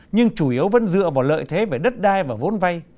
nhưng chủ yếu vẫn dựa vào lợi thế về đất đai và vốn vay